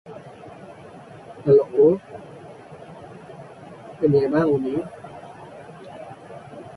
Initially this was done for free with a small percentage cut being introduced later.